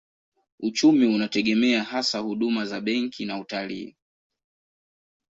Uchumi unategemea hasa huduma za benki na utalii.